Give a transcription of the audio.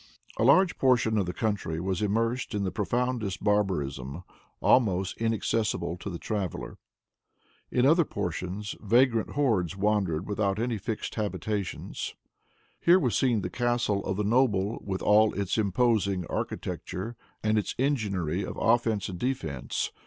A large portion of the country was immersed in the profoundest barbarism, almost inaccessible to the traveler. In other portions vagrant hordes wandered without any fixed habitations. Here was seen the castle of the noble with all its imposing architecture, and its enginery of offense and defense.